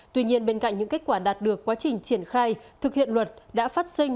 tuy nhiên bên cạnh những kết quả đạt được quá trình triển khai thực hiện luật đã phát sinh